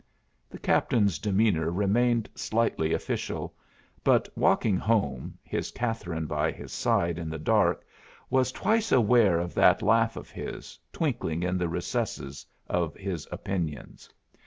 The Captain's demeanor remained slightly official; but walking home, his Catherine by his side in the dark was twice aware of that laugh of his, twinkling in the recesses of his opinions.